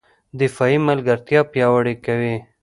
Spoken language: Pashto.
دفاعي ملګرتیا پیاوړې کړي